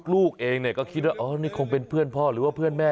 ลูกเองก็คิดว่าอ๋อนี่คงเป็นเพื่อนพ่อหรือว่าเพื่อนแม่